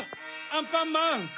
アンパンマン。